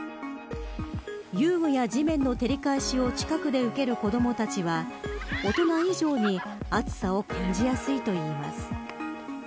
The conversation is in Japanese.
遊具や地面の照り返しを近くで受ける子どもたちは大人以上に暑さを感じやすいといいます。